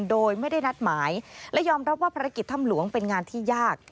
โดยไม่ได้นัดหมายและยอมรับว่าภารกิจถ้ำหลวงเป็นงานที่ยาก